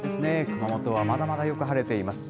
熊本はまだまだよく晴れています。